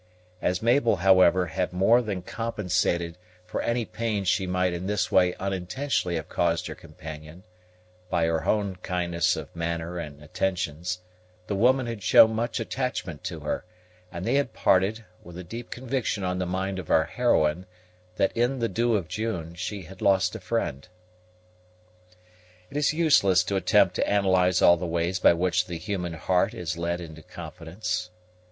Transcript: As Mabel, however, had more than compensated for any pain she might in this way unintentionally have caused her companion, by her own kindness of manner and attentions, the woman had shown much attachment to her, and they had parted, with a deep conviction on the mind of our heroine that in the Dew of June she had lost a friend. It is useless to attempt to analyze all the ways by which the human heart is led into confidence.